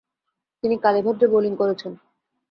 তিনি কালেভদ্রে বোলিং করেছেন।